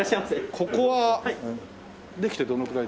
ここはできてどのくらいですか？